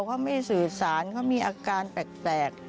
เขาไม่สื่อสารเขามีอาการแปลก